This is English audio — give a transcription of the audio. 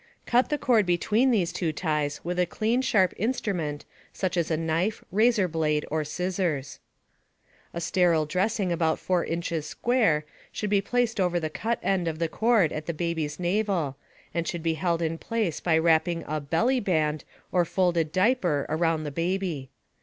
Cut the cord between these two ties with a clean sharp instrument such as a knife, razor blade, or scissors. A sterile dressing about 4 inches square should be placed over the cut end of the cord at the baby's navel and should be held in place by wrapping a "bellyband" or folded diaper around the baby.